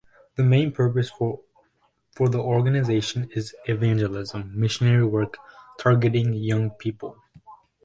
The main purpose for the organization is evangelism, missionary work targeting young people.